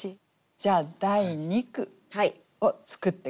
じゃあ第二句を作って下さい。